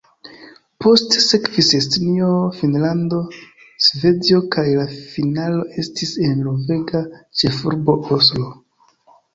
Poste sekvis Estonio, Finnlando, Svedio kaj la finalo estis en norvega ĉefurbo Oslo.